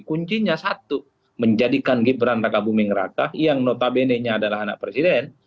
kuncinya satu menjadikan gibran raka buming raka yang notabene nya adalah anak presiden